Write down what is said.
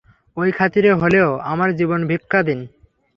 ওই খাতিরে হলেও আমার জীবন ভিক্ষা দিন।